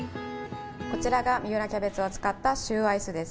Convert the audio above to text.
こちらが三浦キャベツを使ったシューアイスです。